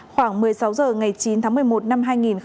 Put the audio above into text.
khoảng một mươi sáu h ngày chín tháng một mươi một năm hai nghìn hai mươi